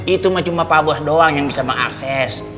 itu cuma pak bos doang yang bisa mengakses